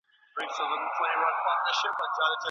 د لاس لیکنه د دې پلانونو د جوړولو یوازینۍ لاره ده.